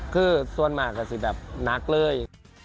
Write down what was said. คือส่วนมากก็สิแบบนักเลื่อย